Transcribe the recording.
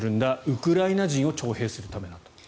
ウクライナ人を徴兵するためだと。